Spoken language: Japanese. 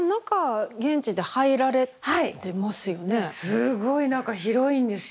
すごい中広いんですよ。